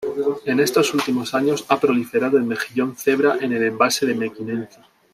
En estos últimos años ha proliferado el mejillón cebra en el embalse de Mequinenza.